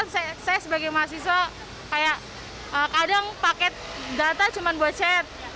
saya sebagai mahasiswa kayak kadang paket data cuma buat chat